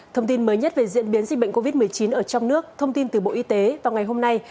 thông tin mới nhất về diễn biến dịch bệnh covid một mươi chín ở trong nước thông tin từ bộ y tế vào ngày hôm nay